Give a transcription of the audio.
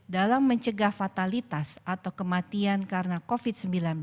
dalam mencegah fatalitas atau kematian karena covid sembilan belas